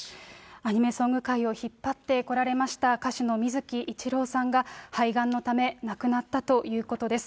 アニメソング界を引っ張ってこられました歌手の水木一郎さんが肺がんのため、亡くなったということです。